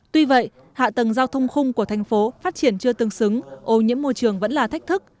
tuy vậy hạ tầng giao thông khung của thành phố phát triển chưa tương xứng ô nhiễm môi trường vẫn là thách thức